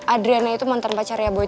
adriana itu mantan pacarnya boy